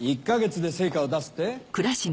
１か月で成果を出すって？